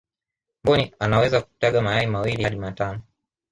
mbuni anawezo kutaga mayai mawili hadi matano